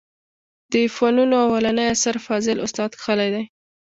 د فنونو اولنى اثر فاضل استاد کښلى دئ.